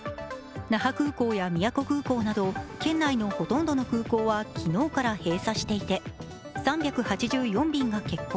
那覇空港や宮古空港など県内のほとんどの空港は昨日から閉鎖していて３８４便が欠航。